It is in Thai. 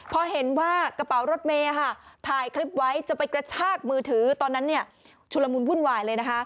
พอเห็นว่ากระเป๋ารถเมย์ถ่ายคลิปไว้จะไปกระชากมือถือตอนนั้นชุลมุนวุ่นวายเลยนะคะ